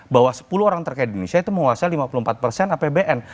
bahwa sepuluh orang terkait indonesia itu menguasai lima puluh empat apbn